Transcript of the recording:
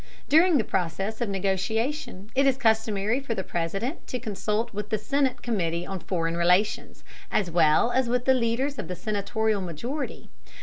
During the process of negotiation it is customary for the President to consult with the Senate committee on foreign relations, as well as with the leaders of the senatorial majority.